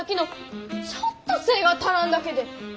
ちょっと背ぇが足らんだけで。